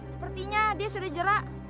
sepertinya dia sudah jerak